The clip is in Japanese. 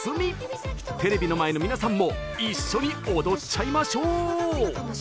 テレビの前の皆さんも一緒に踊っちゃいましょう！